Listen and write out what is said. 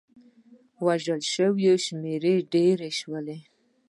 وژل شوي له شمېر ډېر شول.